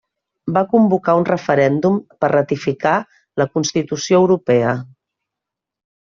Va convocar un referèndum per ratificar la Constitució europea.